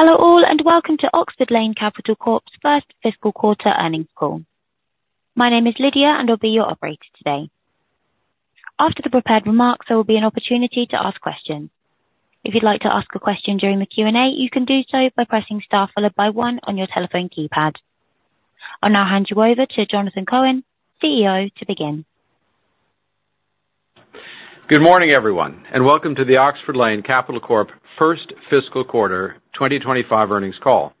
Hello all, and welcome to Oxford Lane Capital Corp's first fiscal quarter earnings call. My name is Lydia, and I'll be your operator today. After the prepared remarks, there will be an opportunity to ask questions. If you'd like to ask a question during the Q&A, you can do so by pressing star followed by one on your telephone keypad. I'll now hand you over to Jonathan Cohen, CEO, to begin. Good morning, everyone, and welcome to the Oxford Lane Capital Corp. first fiscal quarter 2025 earnings call.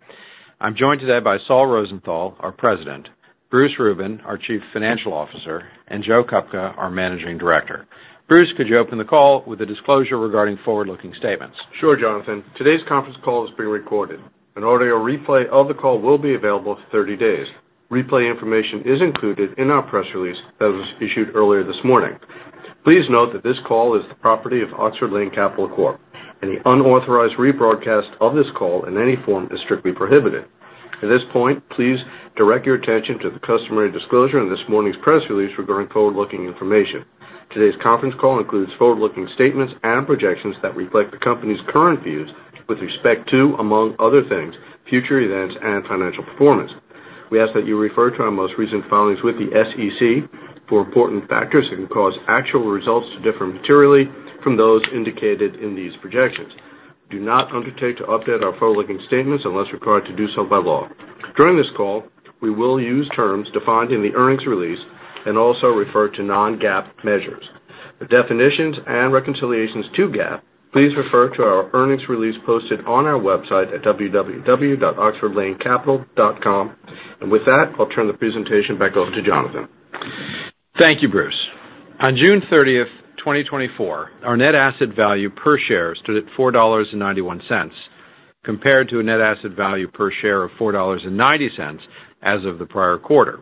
I'm joined today by Saul Rosenthal, our President, Bruce Rubin, our Chief Financial Officer, and Joe Kupka, our Managing Director. Bruce, could you open the call with a disclosure regarding forward-looking statements? Sure, Jonathan. Today's conference call is being recorded. An audio replay of the call will be available for 30 days. Replay information is included in our press release that was issued earlier this morning. Please note that this call is the property of Oxford Lane Capital Corp., and the unauthorized rebroadcast of this call in any form is strictly prohibited. At this point, please direct your attention to the customary disclosure in this morning's press release regarding forward-looking information. Today's conference call includes forward-looking statements and projections that reflect the company's current views with respect to, among other things, future events and financial performance. We ask that you refer to our most recent filings with the SEC for important factors that can cause actual results to differ materially from those indicated in these projections. Do not undertake to update our forward-looking statements unless required to do so by law. During this call, we will use terms defined in the earnings release and also refer to non-GAAP measures. For definitions and reconciliations to GAAP, please refer to our earnings release posted on our website at www.oxfordlanecapital.com. With that, I'll turn the presentation back over to Jonathan. Thank you, Bruce. On June 30th, 2024, our net asset value per share stood at $4.91, compared to a net asset value per share of $4.90 as of the prior quarter.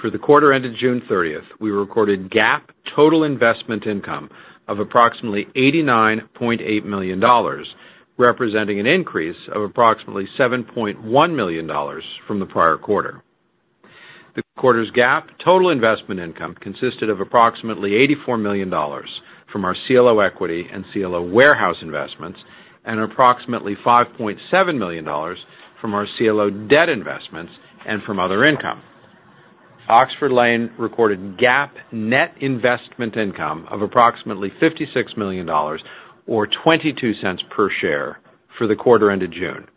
For the quarter ended June 30th, we recorded GAAP total investment income of approximately $89.8 million, representing an increase of approximately $7.1 million from the prior quarter. The quarter's GAAP total investment income consisted of approximately $84 million from our CLO equity and CLO warehouse investments, and approximately $5.7 million from our CLO debt investments and from other income. Oxford Lane recorded GAAP net investment income of approximately $56 million, or $0.22 per share, for the quarter ended June,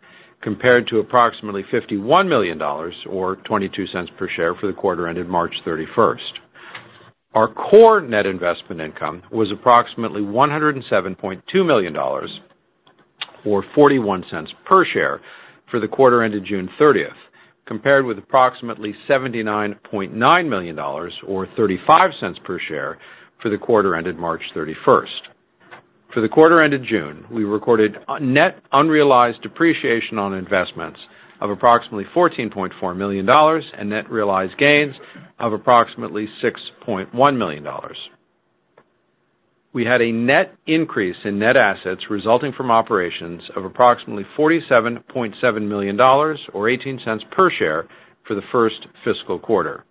compared to approximately $51 million, or $0.22 per share, for the quarter ended March 31st. Our core net investment income was approximately $107.2 million, or $0.41 per share, for the quarter ended June 30th, compared with approximately $79.9 million, or $0.35 per share, for the quarter ended March 31st. For the quarter ended June, we recorded net unrealized depreciation on investments of approximately $14.4 million and net realized gains of approximately $6.1 million. We had a net increase in net assets resulting from operations of approximately $47.7 million, or $0.18 per share, for the first fiscal quarter.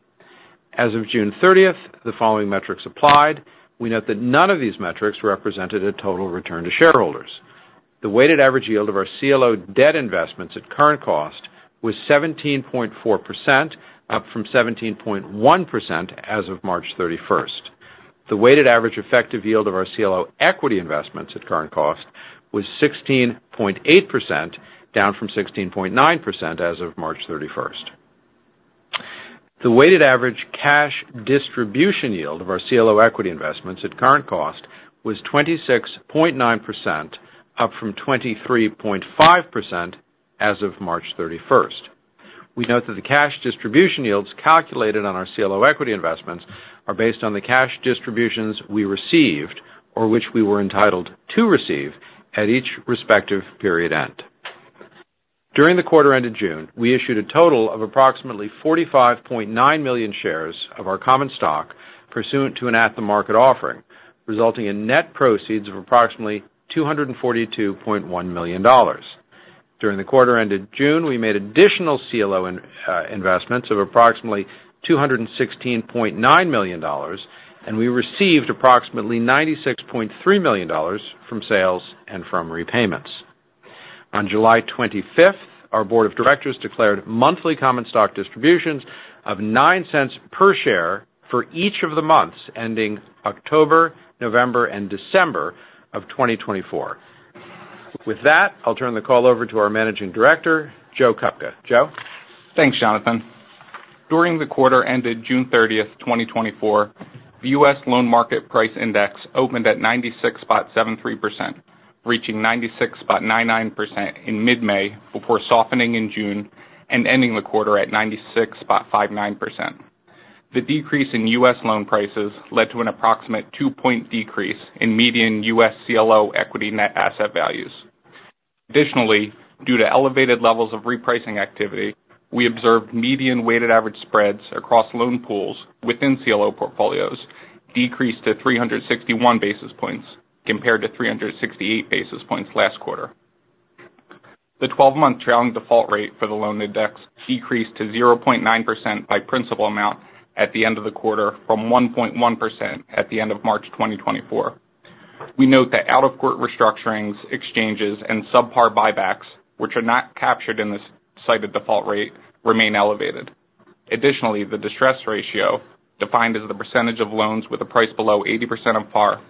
As of June 30th, the following metrics applied. We note that none of these metrics represented a total return to shareholders. The weighted average yield of our CLO debt investments at current cost was 17.4%, up from 17.1% as of March 31st. The weighted average effective yield of our CLO equity investments at current cost was 16.8%, down from 16.9% as of March 31st. The weighted average cash distribution yield of our CLO equity investments at current cost was 26.9%, up from 23.5% as of March 31st. We note that the cash distribution yields calculated on our CLO equity investments are based on the cash distributions we received, or which we were entitled to receive, at each respective period end. During the quarter ended June, we issued a total of approximately 45.9 million shares of our common stock pursuant to an at-the-market offering, resulting in net proceeds of approximately $242.1 million. During the quarter ended June, we made additional CLO investments of approximately $216.9 million, and we received approximately $96.3 million from sales and from repayments. On July 25th, our board of directors declared monthly common stock distributions of $0.09 per share for each of the months ending October, November, and December of 2024. With that, I'll turn the call over to our Managing Director, Joe Kupka. Joe? Thanks, Jonathan. During the quarter ended June 30th, 2024, the U.S. loan market price index opened at 96.73%, reaching 96.99% in mid-May before softening in June and ending the quarter at 96.59%. The decrease in U.S. loan prices led to an approximate two-point decrease in median U.S. CLO equity net asset values. Additionally, due to elevated levels of repricing activity, we observed median weighted average spreads across loan pools within CLO portfolios decrease to 361 basis points compared to 368 basis points last quarter. The 12-month trailing default rate for the loan index decreased to 0.9% by principal amount at the end of the quarter from 1.1% at the end of March 2024. We note that out-of-court restructurings, exchanges, and subpar buybacks, which are not captured in this cited default rate, remain elevated. Additionally, the distress ratio, defined as the percentage of loans with a price below 80% of par,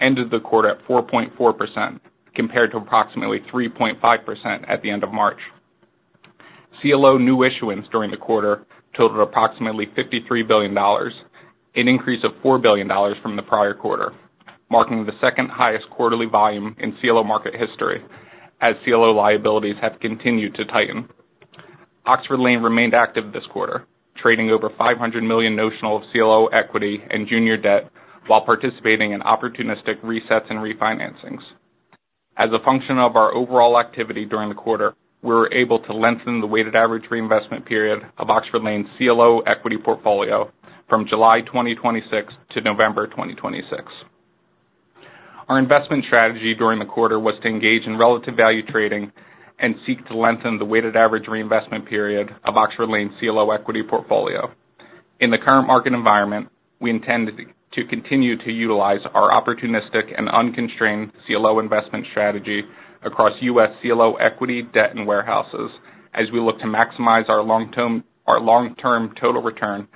ended the quarter at 4.4% compared to approximately 3.5% at the end of March. CLO new issuance during the quarter totaled approximately $53 billion, an increase of $4 billion from the prior quarter, marking the second highest quarterly volume in CLO market history as CLO liabilities have continued to tighten. Oxford Lane remained active this quarter, trading over $500 million notional of CLO equity and junior debt while participating in opportunistic resets and refinancings. As a function of our overall activity during the quarter, we were able to lengthen the weighted average reinvestment period of Oxford Lane's CLO equity portfolio from July 2026 to November 2026. Our investment strategy during the quarter was to engage in relative value trading and seek to lengthen the weighted average reinvestment period of Oxford Lane's CLO equity portfolio. In the current market environment, we intend to continue to utilize our opportunistic and unconstrained CLO investment strategy across U.S. CLO equity, debt, and warehouses as we look to maximize our long-term total return.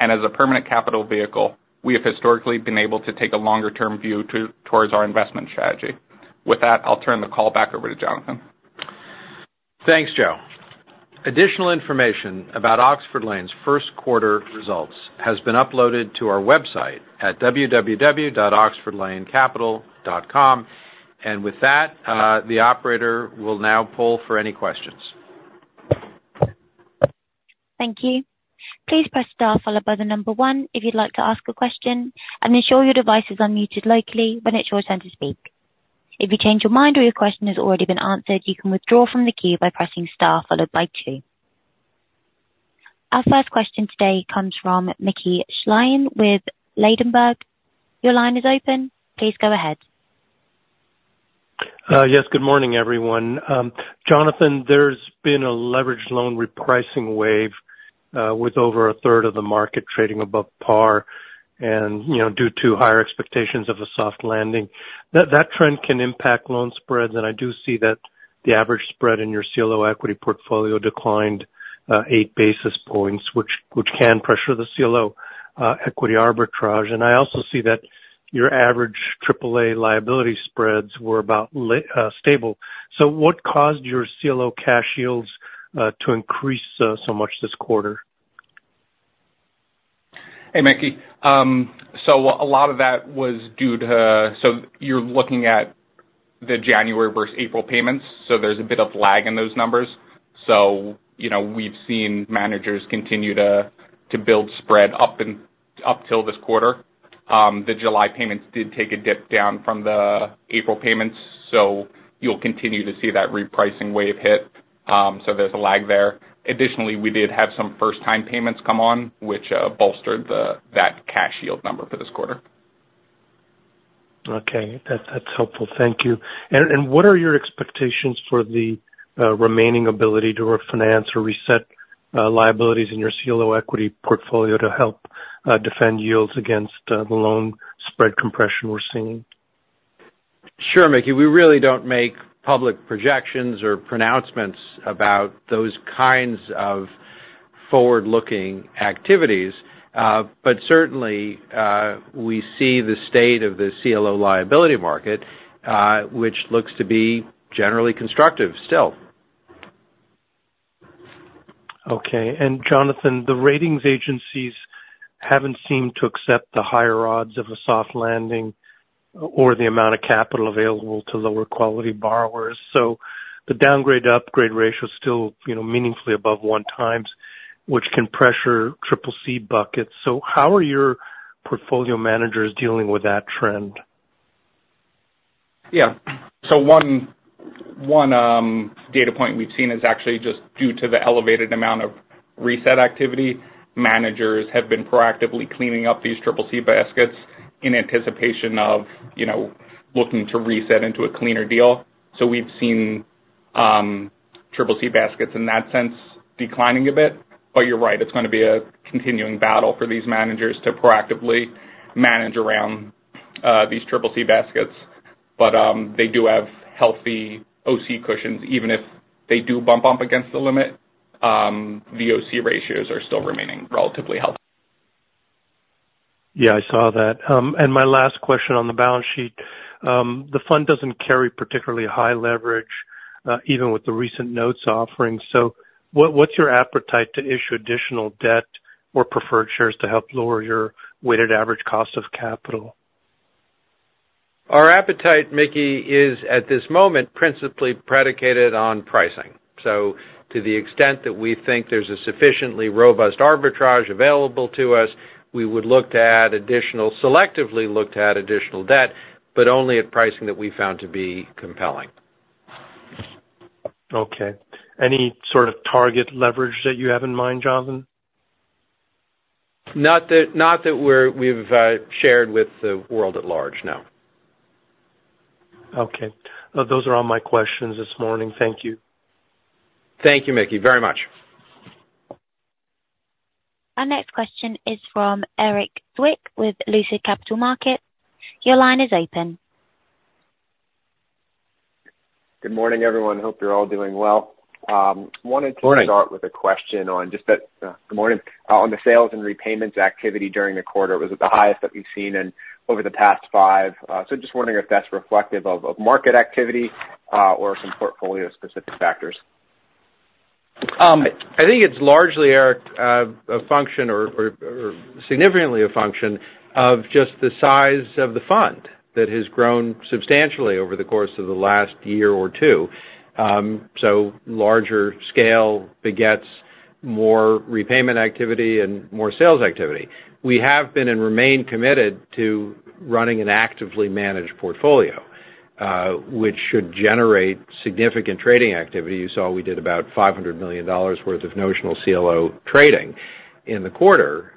As a permanent capital vehicle, we have historically been able to take a longer-term view towards our investment strategy. With that, I'll turn the call back over to Jonathan. Thanks, Joe. Additional information about Oxford Lane's Q1 results has been uploaded to our website at www.oxfordlanecapital.com. And with that, the operator will now poll for any questions. Thank you. Please press star followed by the number one if you'd like to ask a question, and ensure your device is unmuted locally when it's your turn to speak. If you change your mind or your question has already been answered, you can withdraw from the queue by pressing star followed by two. Our first question today comes from Mickey Schleien with Ladenburg. Your line is open. Please go ahead. Yes, good morning, everyone. Jonathan, there's been a leveraged loan repricing wave with over a third of the market trading above par, and due to higher expectations of a soft landing. That trend can impact loan spreads, and I do see that the average spread in your CLO equity portfolio declined 8 basis points, which can pressure the CLO equity arbitrage. I also see that your average AAA liability spreads were about stable. So what caused your CLO cash yields to increase so much this quarter? Hey, Mickey. So a lot of that was due to, so you're looking at the January versus April payments, so there's a bit of lag in those numbers. So we've seen managers continue to build spread up until this quarter. The July payments did take a dip down from the April payments, so you'll continue to see that repricing wave hit. So there's a lag there. Additionally, we did have some first-time payments come on, which bolstered that cash yield number for this quarter. Okay. That's helpful. Thank you. What are your expectations for the remaining ability to refinance or reset liabilities in your CLO equity portfolio to help defend yields against the loan spread compression we're seeing? Sure, Mickey. We really don't make public projections or pronouncements about those kinds of forward-looking activities, but certainly, we see the state of the CLO liability market, which looks to be generally constructive still. Okay. And Jonathan, the ratings agencies haven't seemed to accept the higher odds of a soft landing or the amount of capital available to lower quality borrowers. So the downgrade-to-upgrade ratio is still meaningfully above 1x, which can pressure CCC buckets. So how are your portfolio managers dealing with that trend? Yeah. So one data point we've seen is actually just due to the elevated amount of reset activity. Managers have been proactively cleaning up these CCC baskets in anticipation of looking to reset into a cleaner deal. So we've seen CCC baskets in that sense declining a bit. But you're right, it's going to be a continuing battle for these managers to proactively manage around these CCC baskets. But they do have healthy OC cushions. Even if they do bump up against the limit, the OC ratios are still remaining relatively healthy. Yeah, I saw that. My last question on the balance sheet. The fund doesn't carry particularly high leverage, even with the recent notes offering. So what's your appetite to issue additional debt or preferred shares to help lower your weighted average cost of capital? Our appetite, Mickey, is at this moment principally predicated on pricing. So to the extent that we think there's a sufficiently robust arbitrage available to us, we would look to add additional, selectively look to add additional debt, but only at pricing that we found to be compelling. Okay. Any sort of target leverage that you have in mind, Jonathan? Not that we've shared with the world at large, no. Okay. Those are all my questions this morning. Thank you. Thank you, Mickey, very much. Our next question is from Erik Zwick with Lucid Capital Markets. Your line is open. Good morning, everyone. Hope you're all doing well. Wanted to start with a question on just that good morning. On the sales and repayments activity during the quarter, it was at the highest that we've seen in over the past five. So just wondering if that's reflective of market activity or some portfolio-specific factors? I think it's largely, Erik, a function or significantly a function of just the size of the fund that has grown substantially over the course of the last year or two. So larger scale, big gets, more repayment activity, and more sales activity. We have been and remain committed to running an actively managed portfolio, which should generate significant trading activity. You saw we did about $500 million worth of notional CLO trading in the quarter.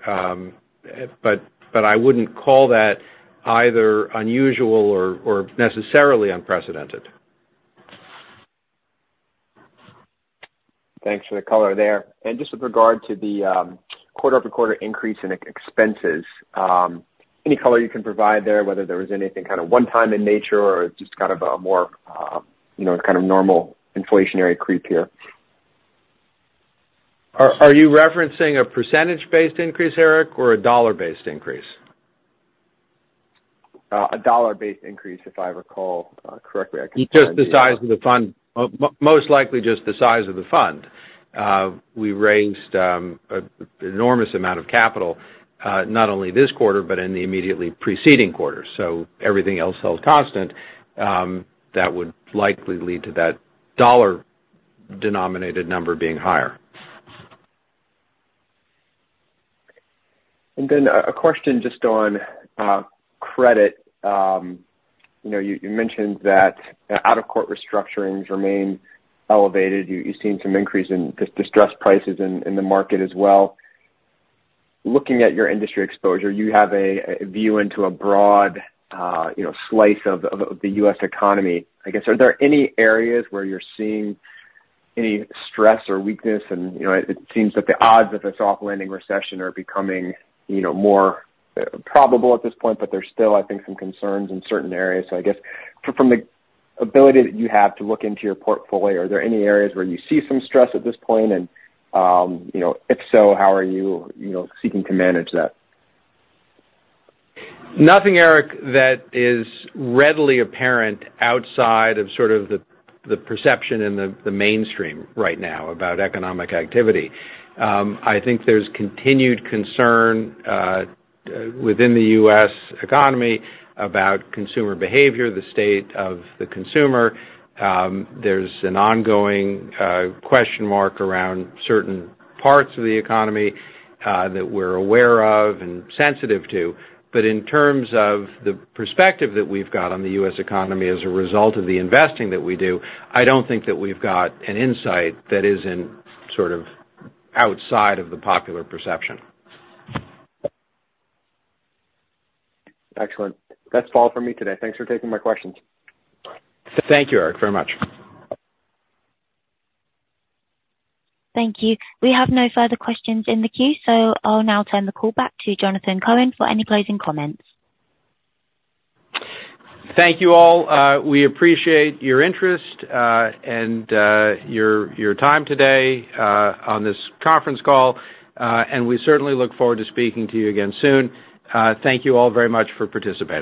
But I wouldn't call that either unusual or necessarily unprecedented. Thanks for the color there. And just with regard to the quarter-over-quarter increase in expenses, any color you can provide there, whether there was anything kind of one-time in nature or just kind of a more kind of normal inflationary creep here? Are you referencing a percentage-based increase, Eric, or a dollar-based increase? A dollar-based increase, if I recall correctly. Just the size of the fund. Most likely just the size of the fund. We raised an enormous amount of capital, not only this quarter, but in the immediately preceding quarter. So everything else felt constant. That would likely lead to that dollar-denominated number being higher. And then a question just on credit. You mentioned that out-of-court restructurings remain elevated. You've seen some increase in distressed prices in the market as well. Looking at your industry exposure, you have a view into a broad slice of the U.S. economy. I guess, are there any areas where you're seeing any stress or weakness? And it seems that the odds of a soft landing recession are becoming more probable at this point, but there's still, I think, some concerns in certain areas. So I guess, from the ability that you have to look into your portfolio, are there any areas where you see some stress at this point? And if so, how are you seeking to manage that? Nothing, Erik, that is readily apparent outside of sort of the perception in the mainstream right now about economic activity. I think there's continued concern within the U.S. economy about consumer behavior, the state of the consumer. There's an ongoing question mark around certain parts of the economy that we're aware of and sensitive to. But in terms of the perspective that we've got on the U.S. economy as a result of the investing that we do, I don't think that we've got an insight that isn't sort of outside of the popular perception. Excellent. That's all for me today. Thanks for taking my questions. Thank you, Erik, very much. Thank you. We have no further questions in the queue, so I'll now turn the call back to Jonathan Cohen for any closing comments. Thank you all. We appreciate your interest and your time today on this conference call, and we certainly look forward to speaking to you again soon. Thank you all very much for participating.